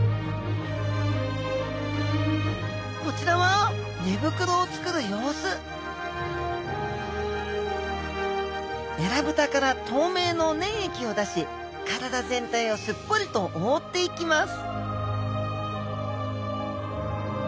こちらはえらぶたから透明の粘液を出し体全体をすっぽりと覆っていきます